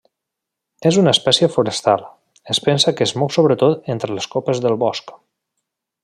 És una espècie forestal, es pensa que es mou sobretot entre les copes del bosc.